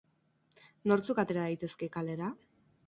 Nortzuk atera daitezke kalera?